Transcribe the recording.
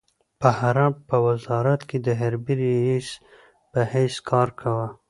په حرب په وزارت کې د حربي رئيس په حیث کار کاوه.